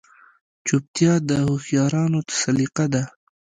چوپتیا، د هوښیارانو سلیقه ده.